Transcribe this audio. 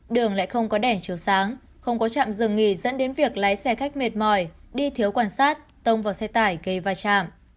đường lại không có đèn chiều sáng không có trạm dừng nghỉ dẫn đến việc lái xe khách mệt mỏi đi thiếu quan sát tông vào xe tải gây va chạm